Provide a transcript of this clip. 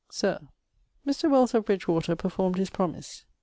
_ Sir, Mr. Wells of Bridgewater performed his promise.